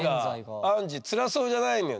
アンジー辛そうじゃないんだよね。